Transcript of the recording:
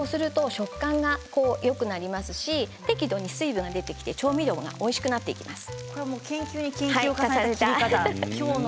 こうすると食感がよくなりますし適度に水分が出てきて調味料がおいしくなっていきます。